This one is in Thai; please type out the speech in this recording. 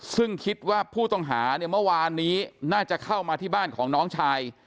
ซึ่งคิดว่าผู้ต้องหาเนี่ยเมื่อวานนี้น่าจะเข้ามาที่บ้านของน้องชาย